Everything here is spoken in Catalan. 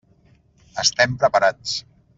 Estem preparats.